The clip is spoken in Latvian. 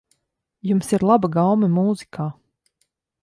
Jums ir laba gaume mūzikā.